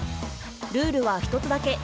ルールは１つだけ。